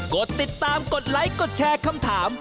กดติดตามกดไลค์กดแชร์คำถาม